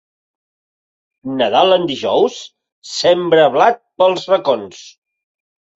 Nadal en dijous, sembra blat pels racons.